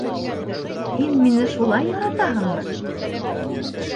Һин мине шулай яратаһыңмы?